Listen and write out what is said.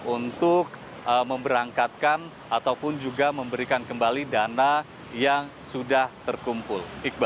untuk memberangkatkan ataupun juga memberikan kembali dana yang sudah terkumpul